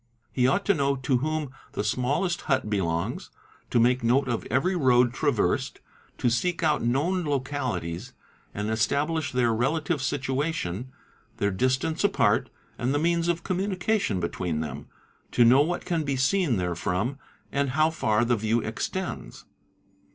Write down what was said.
He ought to know to whom ' the smallest hut belongs, to make note of every road traversed, to seek out known localities, and establish their relative situation, their distance apart, and the means of communication between them, to know what can be seen therefrom, and how far the view extends.